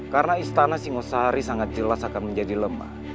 karena istana singosari sangat jelas akan menjadi lemah